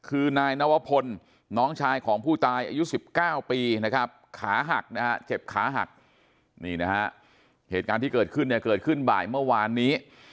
คือนายนวพลน้องชายของผู้ตายอายุ๑๙ปีนะครับขาหักนะฮะเจ็บขาหักนี่นะฮะเหตุการณ์ที่เกิดขึ้นเนี่ยเกิดขึ้นบ่ายเมื่อวานนี้